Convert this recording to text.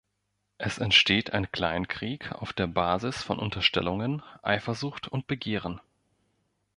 Es entsteht ein Kleinkrieg auf der Basis von Unterstellungen, Eifersucht und Begehren.